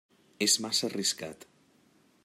És massa arriscat.